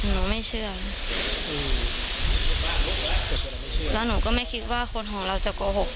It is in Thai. แล้วก็ไม่คิดว่าคนของเราจะโกหก